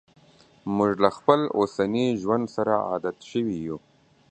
موږ له خپل اوسني ژوند سره عادت شوي یو.